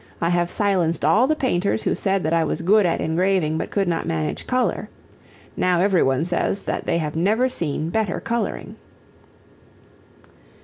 I have silenced all the painters who said that I was good at engraving but could not manage color. Now everyone says that they have never seen better coloring."